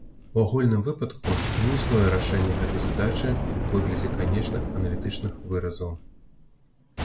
У агульным выпадку не існуе рашэння гэтай задачы ў выглядзе канечных аналітычных выразаў.